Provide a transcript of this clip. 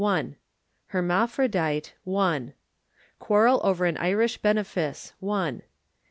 Hermaphrodite Quarrel over an Irish Benefice Imposture